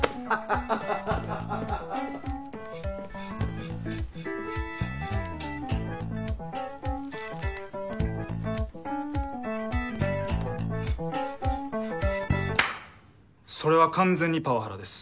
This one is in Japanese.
ふぅそれは完全にパワハラです。